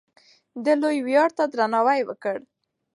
دې لوی ویاړ ته درناوی وکړه.